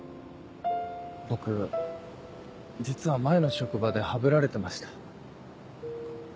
僕実は前の職場でハブられてました。